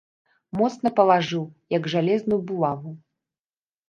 Моцна палажыў, як жалезную булаву.